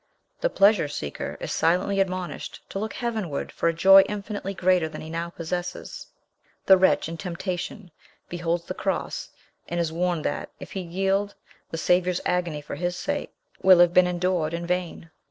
The pleasure seeker is silently admonished to look heavenward for a joy infinitely greater than he now possesses. The wretch in temptation beholds the cross, and is warned that, if he yield, the Saviour's agony for his sake will have been endured in vain.